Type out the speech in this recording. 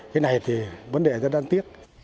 cái này thì vấn đề rất đáng tiếc